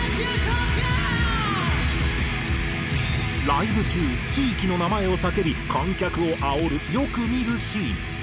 ライブ中地域の名前を叫び観客をあおるよく見るシーン。